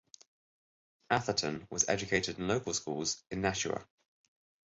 Atherton was educated in local schools in Nashua.